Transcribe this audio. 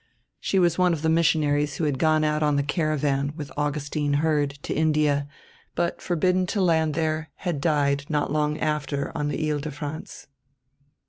She was one of the missionaries who had gone out on the Caravan, with Augustine Heard, to India, but forbidden to land there had died not long after on the Île de France.